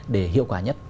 để hiệu quả nhất